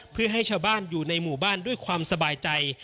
เพื่อให้ชาวบ้านอยู่ในหมู่บ้านด้วยความสบายใจ